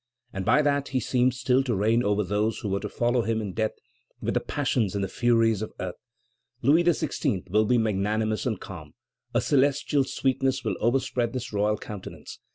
And by that he seems still to reign over those who were to follow him in death with the passions and the furies of earth." Louis XVI. will be magnanimous and calm. A celestial sweetness will overspread his royal countenance.